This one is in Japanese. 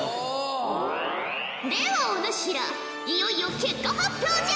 ではお主らいよいよ結果発表じゃ！